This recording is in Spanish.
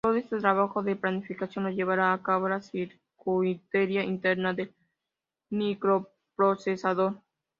Todo este trabajo de planificación lo llevaría a cabo la circuitería interna del microprocesador.